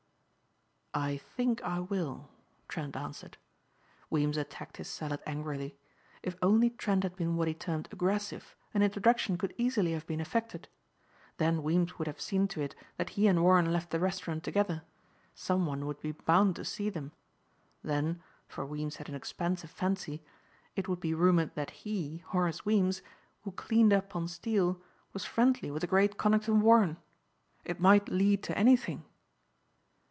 "I think I will," Trent answered. Weems attacked his salad angrily. If only Trent had been what he termed aggressive, an introduction could easily have been effected. Then Weems would have seen to it that he and Warren left the restaurant together. Some one would be bound to see them. Then, for Weems had an expansive fancy, it would be rumored that he, Horace Weems, who cleaned up on Steel, was friendly with the great Conington Warren. It might lead to anything!